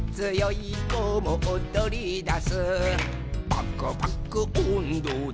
「パクパクおんどで」